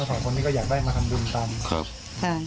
ตัวของคนนี้ก็อยากได้มาทำบุญตาม